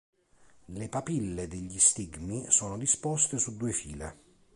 Le papille degli stigmi sono disposte su due file.